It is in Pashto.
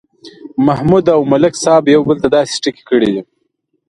محمود او ملک صاحب یو بل ته داسې ټکي کړي دي